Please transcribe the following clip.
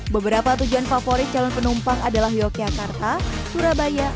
beberapa tujuan favorit calon penumpang adalah yogyakarta surabaya